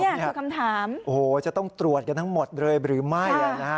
นี่คือคำถามโอ้โหจะต้องตรวจกันทั้งหมดเลยหรือไม่นะฮะ